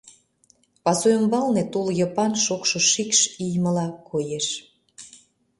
Пасу ӱмбалне тул йыпан шокшо шикш иймыла коеш.